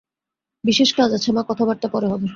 বিশেষ কাজ আছে মা, কথাবার্তা পরে হবে।